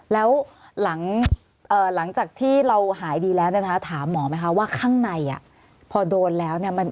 แล้วหลังจากที่เราหายดีแล้วนะคะถามหมอไหมคะว่าข้างในพอโดนแล้วเนี่ย